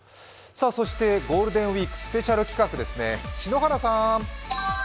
そしてゴールデンウイークスペシャル企画ですね。